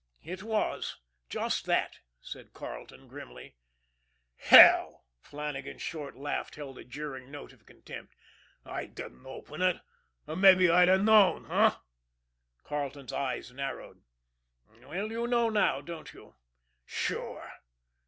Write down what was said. "It was just that," said Carleton grimly. "Hell!" Flannagan's short laugh held a jeering note of contempt. "I didn't open it or mabbe I'd have known, eh?" Carleton's eyes narrowed. "Well, you know now, don't you?" "Sure!"